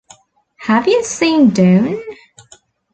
Have You Seen Dawn?